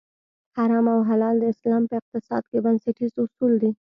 حرام او حلال د اسلام په اقتصاد کې بنسټیز اصول دي.